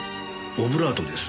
オブラートです。